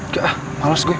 gak ah males gue